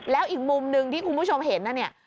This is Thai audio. แล้วอีกมุมหนึ่งที่คุณผู้ชมเห็นนะเนี่ย